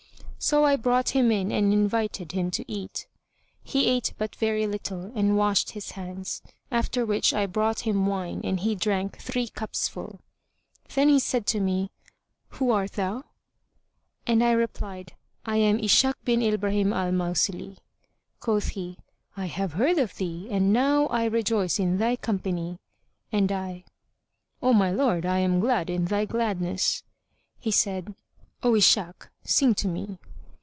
So I brought him in and invited him to eat. He ate but a very little and washed his hands, after which I brought him wine and he drank three cupsful. Then he said to me, "Who art thou?"; and I replied, "I am Ishak bin Ibrahim al Mausili." Quoth he, "I have heard of thee and now I rejoice in thy company;" and I, "O my lord, I am glad in thy gladness." He said, "O Ishak, sing to me."